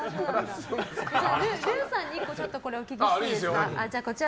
ルーさんに１個、お聞きしていいですか。